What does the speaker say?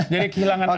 jadi kehilangan arah